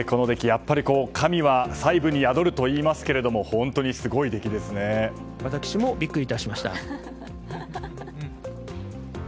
やっぱり神は細部に宿るといいますけども私もビックリいたしました。